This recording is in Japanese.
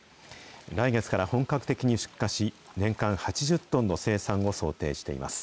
来月から本格的に出荷し、年間８０トンの生産を想定しています。